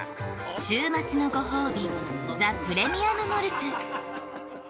週末のごほうびザ・プレミアム・モルツ